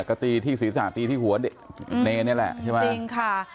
ก็ตีที่ศีรษะตีที่หัวเนนเนี่ยแหละจริงค่ะ